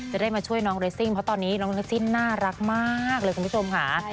จะได้มาช่วยน้องเรสซิ่งเพราะตอนนี้น้องเรสซิ่งน่ารักมากเลยคุณผู้ชมค่ะ